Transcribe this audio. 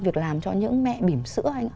việc làm cho những mẹ bỉm sữa